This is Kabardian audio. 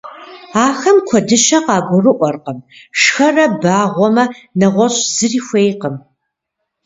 Ахэм куэдыщэ къагурыӀуэркъым, шхэрэ багъуэмэ, нэгъуэщӀ зыри хуейкъым.